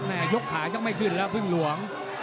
แม่ยกขาจะไม่ขึ้นแล้วพึ่งหลวง